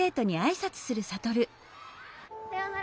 さようなら。